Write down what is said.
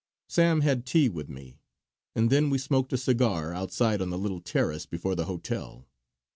Sam had tea with me, and then we smoked a cigar outside on the little terrace before the hotel.